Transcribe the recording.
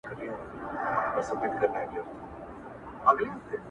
• ما مي د شمعي له ګرېوان سره نصیب تړلی -